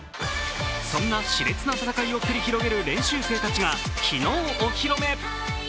そんなしれつな戦いを繰り広げる練習生たちが昨日お披露目。